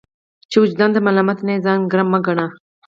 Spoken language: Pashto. چي وجدان ته ملامت نه يې ځان ګرم مه ګڼه!